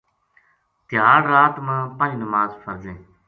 تہاڑ رات ما پنج نماز فرض ہیں۔